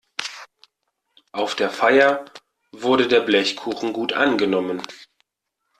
Auf der Feier wurde der Blechkuchen gut angenommen.